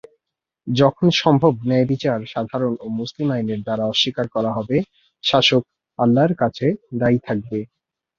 যখন সম্ভব ন্যায়বিচার সাধারণ ও মুসলিম আইনের দ্বারা অস্বীকার করা হবে শাসক আল্লাহর কাছে দায়ী থাকবে।